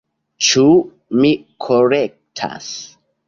Ĉu mi korektas?